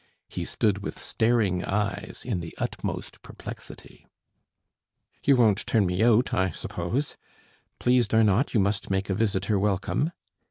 He stood with staring eyes in the utmost perplexity. "You won't turn me out, I suppose.... Pleased or not, you must make a visitor welcome...."